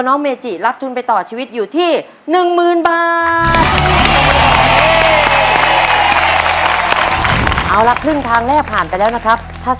น้องเมจิทำได้หรือไม่ได้ครับ